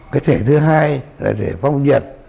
cái thể thứ hai là thể phong nhiệt